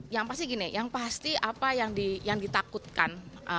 yang pasti gini yang pasti apa yang ditakutkan